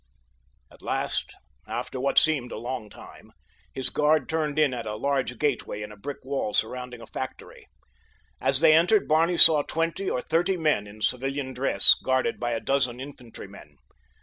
At last, after what seemed a long time, his guard turned in at a large gateway in a brick wall surrounding a factory. As they entered Barney saw twenty or thirty men in civilian dress, guarded by a dozen infantrymen.